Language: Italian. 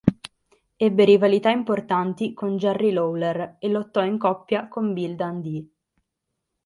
Ebbe rivalità importanti con Jerry Lawler e lottò in coppia con Bill Dundee.